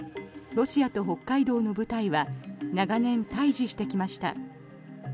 ロシアと北海道の部隊は長年、対峙してきました。